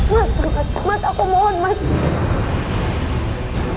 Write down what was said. aku rasa omongan aku barusan itu udah cukup yang mutta untuk mutta